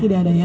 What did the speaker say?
tidak ada ya